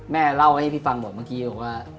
เล่าให้พี่ฟังบอกเมื่อกี้บอกว่า